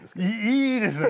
いいですね。